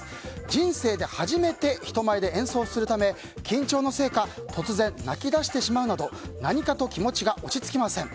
人生で初めて人前で演奏をするため緊張のせいか突然、泣き出してしまうなど何かと気持ちが落ち着きません。